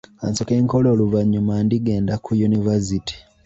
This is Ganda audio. Kansooke nkole oluvanyuma ndigenda ku yunivaasite.